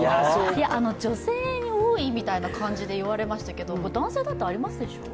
いや、女性に多いみたいな感じで言われましたけど、男性だってありますでしょう？